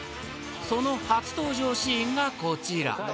［その初登場シーンがこちら］